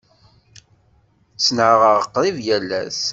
Ttnaɣeɣ qrib yal ass.